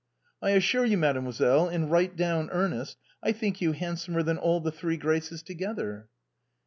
" I assure you, mademoiselle, in right down earnest, I think you handsomer than all the Three Graces together.'"